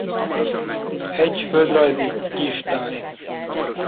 Egy földrajzi kistáj.